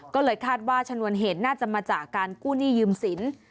ก็เลยคาดว่าชนวนเหตุน่าจะมาจากการกู้หนี้ยืมสิน